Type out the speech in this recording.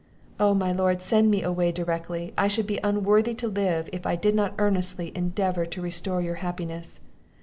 Oh, my lord, send me away directly! I should be unworthy to live, if I did not earnestly endeavour to restore your happiness.